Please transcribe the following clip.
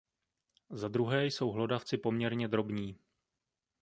Za druhé jsou hlodavci poměrně drobní.